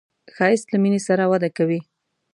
ښایست له مینې سره وده کوي